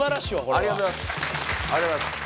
ありがとうございます。